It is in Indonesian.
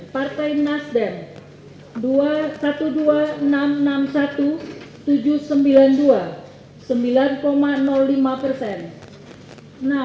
enam partai gerakan perubahan indonesia